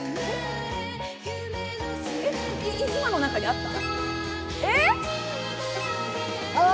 今の中にあった？